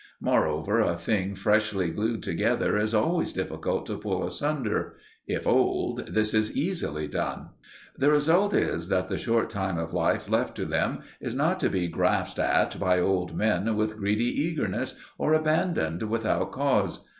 Moreover, a thing freshly glued together is always difficult to pull asunder; if old, this is easily done. The result is that the short time of life left to them is not to be grasped at by old men with greedy eagerness, or abandoned without cause.